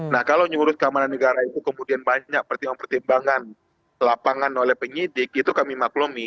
nah kalau nyurus keamanan negara itu kemudian banyak pertimbangan pertimbangan lapangan oleh penyidik itu kami maklumi